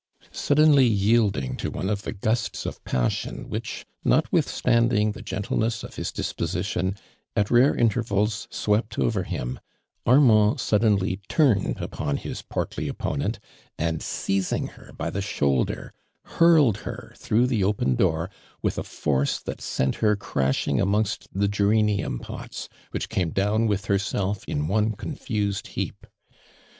Suddenly yielding to one of the gusts of passion which, notwithstanding the gentle ness of his disposition, at rare intervals swept over him, Armand suddenly turned upon his portly opponent, and seiung her by the shoulder, hurled her through the open door with a force that sent her crash ing amongst tho geranium pots, which came down with herself in one confused lieap.